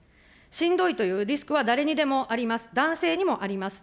しんどいというリスクは誰にでもあります、男性にもあります。